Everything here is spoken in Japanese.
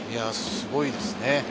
すごいですね。